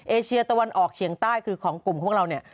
เอเชียตะวันออกเฉียงใต้คือของกลุ่มของเรา